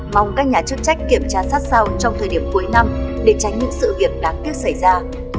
mong các nhà chức trách kiểm tra sát sao trong thời điểm cuối năm để tránh những sự việc đáng tiếc xảy ra